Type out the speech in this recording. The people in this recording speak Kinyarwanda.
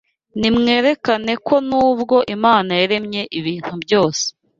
Nimwerekane ko nubwo Imana yaremye ibintu byose